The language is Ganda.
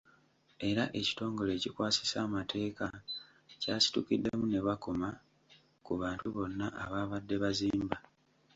Era ekitongole ekikwasisa amateeka kyasitukiddemu ne bakoma ku bantu bonna abaabadde bazimba.